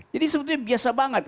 jadi sebenarnya biasa sekali